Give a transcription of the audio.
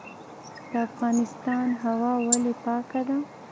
د افغانستان هوا ولې پاکه ده؟